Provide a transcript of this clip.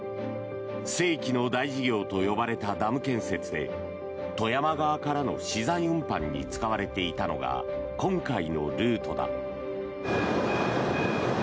世紀の大事業と呼ばれたダム建設で富山側からの資材運搬に使われていたのが今回のルートだ。